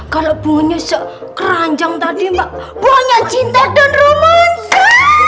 kalau bunganya sekeranjang tadi banyak cinta dan romansa